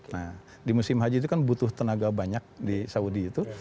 nah di musim haji itu kan butuh tenaga banyak di saudi itu